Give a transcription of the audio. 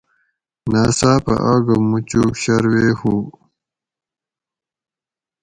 ناۤۡڅاۤپہ آگہ موچوگ شروے ھو